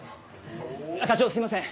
課長すみません。